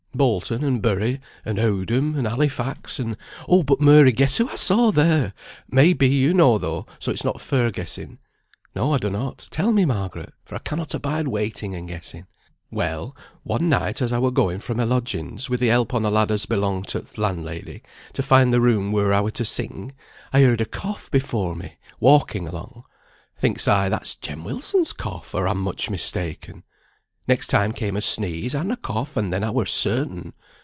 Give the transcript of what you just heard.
Bolton, and Bury, and Owdham, and Halifax, and but Mary, guess who I saw there! May be you know though, so it's not fair guessing." "No, I donnot. Tell me, Margaret, for I cannot abide waiting and guessing." "Well, one night as I were going fra' my lodgings wi' the help on a lad as belonged to th' landlady, to find the room where I were to sing, I heard a cough before me, walking along. Thinks I, that's Jem Wilson's cough, or I'm much mistaken. Next time came a sneeze and a cough, and then I were certain.